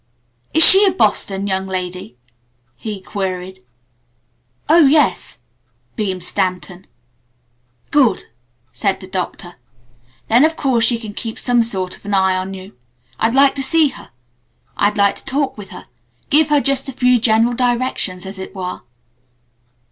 "Is she a Boston young lady?" he queried. "Oh, yes," beamed Stanton. "Good!" said the Doctor. "Then of course she can keep some sort of an eye on you. I'd like to see her. I'd like to talk with her give her just a few general directions as it were."